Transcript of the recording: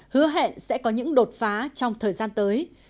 hứa hẹn sẽ có những đột phá trong thời gian tới